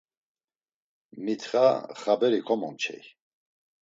Mitxa xaberi komomçey.